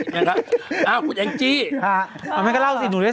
นี้ครับอ้าวคุณเองจี้ค่ะแล้วไหมล่ะอีกแล้วราวสิหนูได้